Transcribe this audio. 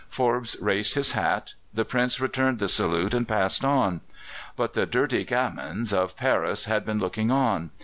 Forbes raised his hat; the Prince returned the salute and passed on. But the dirty gamins of Paris had been looking on.